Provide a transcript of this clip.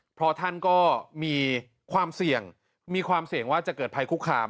เพราะท่านก็มีความเสี่ยงมีความเสี่ยงว่าจะเกิดภัยคุกคาม